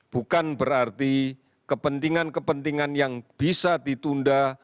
bukan berarti kepentingan kepentingan yang bisa ditunda